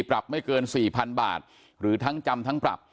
ปรับไม่เกิน๔๐๐๐บาท